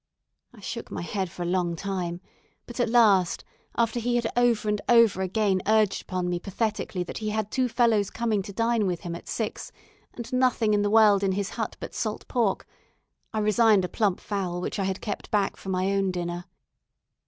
I shook my head for a long time, but at last, after he had over and over again urged upon me pathetically that he had two fellows coming to dine with him at six, and nothing in the world in his hut but salt pork, I resigned a plump fowl which I had kept back for my own dinner.